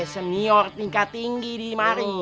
senior tingkat tinggi di mari